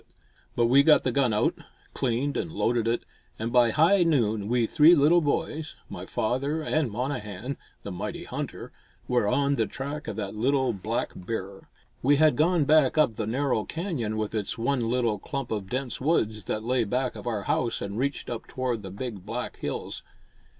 This was not a big bear by the sign, only a small black cub; but we got the gun out, cleaned and loaded it, and by high noon we three little boys, my father and Monnehan, the mighty hunter, were on the track of that little black bear. We had gone back up the narrow canyon with its one little clump of dense woods that lay back of our house and reached up toward the big black hills.